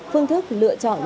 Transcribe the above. phương thức lựa chọn